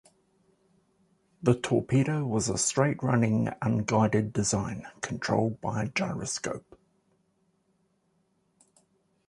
The torpedo was of a straight-running unguided design, controlled by a gyroscope.